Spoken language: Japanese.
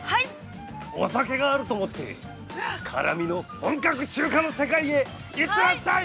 お酒があると思って辛みの本格中華の世界へ行ってらっしゃい。